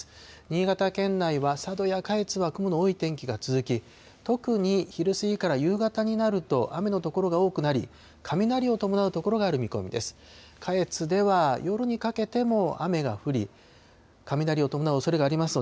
新潟県内は佐渡や下越は雲の多い天気が続き、特に昼過ぎから夕方になると雨の所が多くなり、雷を伴う所がある見込みです。